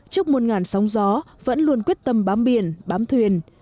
chúc một sóng gió vẫn luôn quyết tâm bám biển bám thuyền